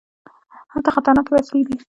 هلته خطرناکې وسلې دي.